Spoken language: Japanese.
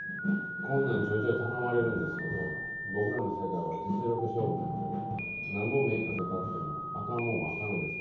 こんなんちょいちょい頼まれるんですけど僕らの世界は実力勝負なんでなんぼ目かけたってもあかんもんはあかんのですわ。